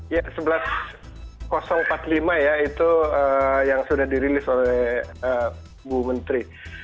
ya sebelas empat puluh lima ya itu yang sudah dirilis oleh bu menteri